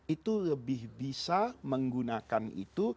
itu lebih bisa menggunakan itu